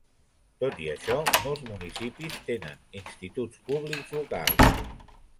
Tot i això, molts municipis tenen instituts públics locals.